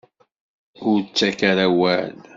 Ur ttak ara awal.